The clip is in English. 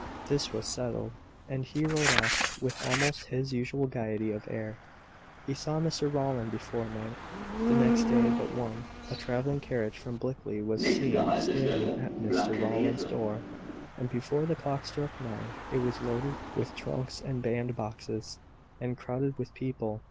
This was settled, and he rode off with almost his usual gaiety of air. He saw Mr Rowland before night. The next day but one, a travelling carriage from Blickley was seen standing at Mr Rowland's door; and before the clock struck nine, it was loaded with trunks and band boxes, and crowded with people.